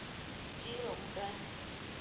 基隆端